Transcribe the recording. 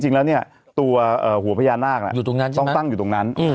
จริงแล้วเนี่ยตัวหัวพญานาคต้องตั้งอยู่ตรงนั้น